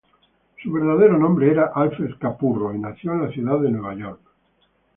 Su verdadero nombre era Alfred Capurro, y nació en la ciudad de Nueva York.